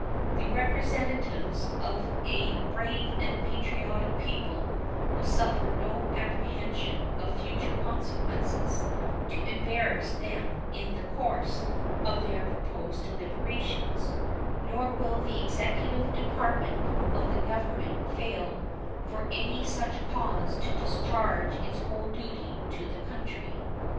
The representatives of a brave and patriotic people will suffer no apprehension of future consequences to embarrass them in the course of their proposed deliberations, nor will the executive department of the Government fail for any such cause to discharge its whole duty to the country.